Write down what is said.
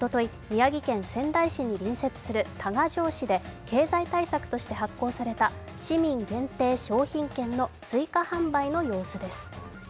宮城県仙台市に隣接する多賀城市で、経済対策として発行された市民限定商品券の追加販売の様子です。